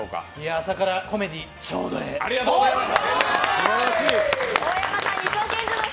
朝からコメディーちょうどええ。ありがとうございます。